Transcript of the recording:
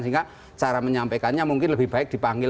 sehingga cara menyampaikannya mungkin lebih baik dipanggil